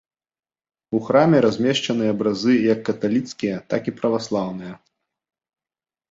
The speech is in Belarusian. У храме размешчаны абразы як каталіцкія, так і праваслаўныя.